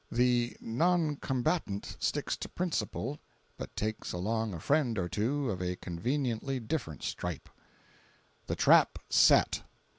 [The "non combatant" sticks to principle, but takes along a friend or two of a conveniently different stripe:] THE TRAP SET.